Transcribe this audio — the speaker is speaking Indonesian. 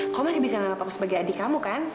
kamu masih bisa menganggap aku sebagai adik kamu kan